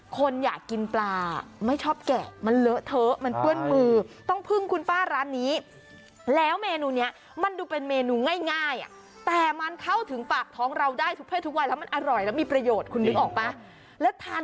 ข้าวปลาแกะให้แล้วบวกกับน้ำพริกปลา